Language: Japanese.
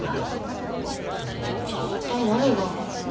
じゃあ一体何が？